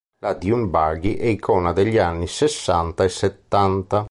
La dune buggy è icona degli anni sessanta e settanta.